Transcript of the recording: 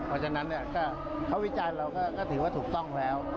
เพราะฉะนั้นเขาวิจารณ์เราก็ถือว่าถูกต้องแล้ว